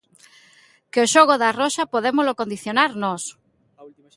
Que o xogo da Roxa podémolo condicionar nós!